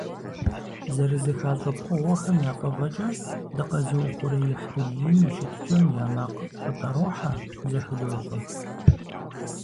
ЗэрызэхащӀэ пкъыгъуэхэм я фӀыгъэкӀэ дыкъэзыухъуреихь дунейм и щытыкӀэхэм я макъ къытӀэрохьэ, зэхыдощӀэ.